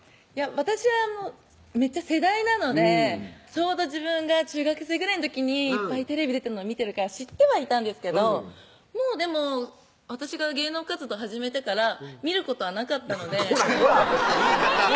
私はめっちゃ世代なのでちょうど自分が中学生ぐらいの時にいっぱいテレビ出てるの見てるから知ってはいたんですけどもうでも私が芸能活動始めてから見ることはなかったのでこらこら！